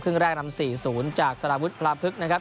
เครื่องแรกนำ๔ศูนย์จากสารวุฒิพระพฤกษ์นะครับ